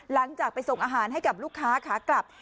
หลังจากไปส่งอาหารให้กับลูกค้าขากลับ